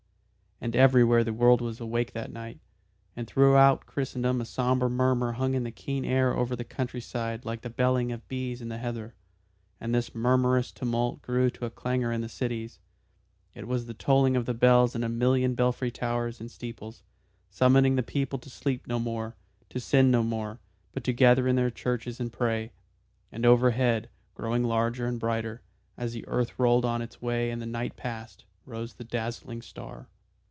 And everywhere the world was awake that night, and throughout Christendom a sombre murmur hung in the keen air over the countryside like the belling of bees in the heather, and this murmurous tumult grew to a clangour in the cities. It was the tolling of the bells in a million belfry towers and steeples, summoning the people to sleep no more, to sin no more, but to gather in their churches and pray. And overhead, growing larger and brighter, as the earth rolled on its way and the night passed, rose the dazzling star.